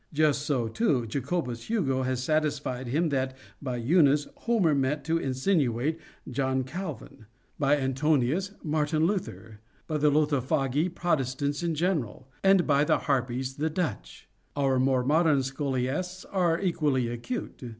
Just so, too, Jacobus Hugo has satisfied himself that, by Euenis, Homer meant to insinuate John Calvin; by Antinous, Martin Luther; by the Lotophagi, Protestants in general; and, by the Harpies, the Dutch. Our more modern Scholiasts are equally acute.